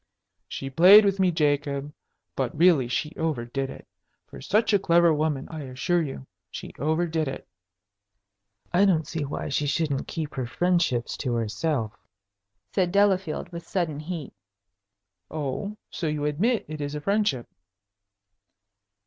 "She played with me, Jacob. But really she overdid it. For such a clever woman, I assure you, she overdid it!" "I don't see why she shouldn't keep her friendships to herself," said Delafield, with sudden heat. "Oh, so you admit it is a friendship?"